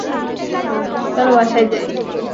চলো বাসায় যাই।